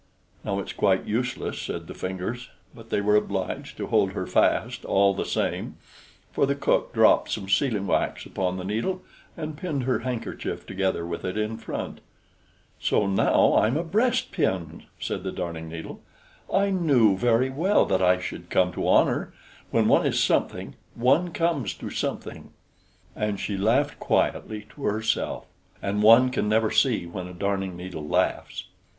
"Now it's quite useless," said the Fingers; but they were obliged to hold her fast, all the same; for the cook dropped some sealing wax upon the needle, and pinned her handkerchief together with it in front. "So, now I'm a breast pin!" said the Darning needle. "I knew very well that I should come to honor; when one is something, one comes to something!" And she laughed quietly to herself and one can never see when a darning needle laughs.